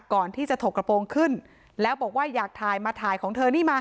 ก่อนที่จะถกกระโปรงขึ้นแล้วบอกว่าอยากถ่ายมาถ่ายของเธอนี่มา